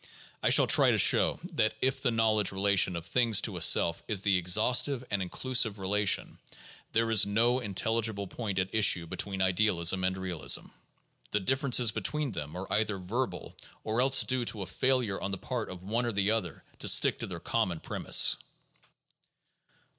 I shall try to show that if the knowledge relation of things to a self is the exhaustive and inclusive relation, there is no intelligible point at issue between idealism and realism; the differences between them are either verbal or else due to a failure on the part of one or other to stick to their common premise.